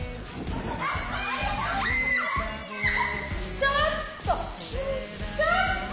ちょっと！